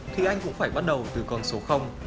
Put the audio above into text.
thì anh cũng phải bắt đầu từ con số